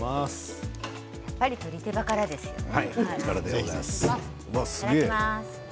やっぱり鶏手羽からですよね。